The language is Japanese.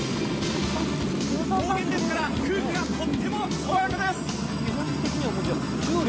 高原ですから空気がとっても爽やかです。